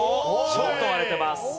ちょっと割れてます。